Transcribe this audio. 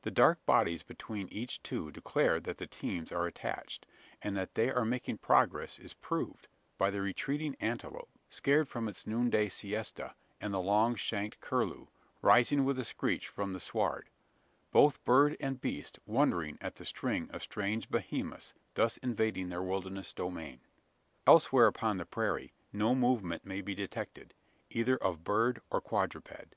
The dark bodies between each two declare that the teams are attached; and that they are making progress is proved, by the retreating antelope, scared from its noonday siesta, and the long shanked curlew, rising with a screech from the sward both bird and beast wondering at the string of strange behemoths, thus invading their wilderness domain. Elsewhere upon the prairie, no movement may be detected either of bird or quadruped.